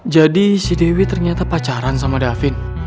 jadi si dewi ternyata pacaran sama davin